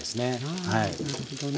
あなるほどね。